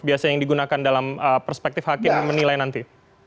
biasa yang digunakan dalam perspektif hakim menilai nanti